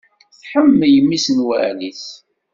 Tḥemmel mmi-s n wali-s.